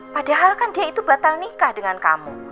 padahal kan dia itu batal nikah dengan kamu